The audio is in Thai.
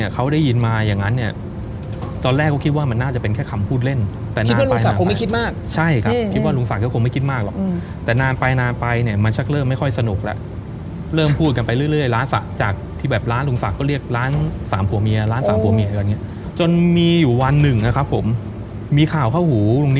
เขาได้ยินมาอย่างนั้นเนี่ยตอนแรกเขาคิดว่ามันน่าจะเป็นแค่คำพูดเล่นคิดว่าลุงศักดิ์คงไม่คิดมากใช่ครับคิดว่าลุงศักดิ์คงไม่คิดมากหรอกแต่นานไปไปเนี่ยมันชักเริ่มไม่ค่อยสนุกแหละเริ่มพูดกันไปเรื่อยจากที่แบบร้านลุงศักดิ์ก็เรียกร้านสามผัวเมียร้านสามผัวเมียแบบนี้จนมีอยู่วัน